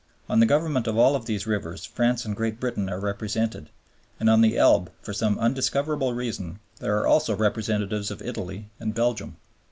On the government of all these rivers France and Great Britain are represented; and on the Elbe for some undiscoverable reason there are also representatives of Italy and Belgium.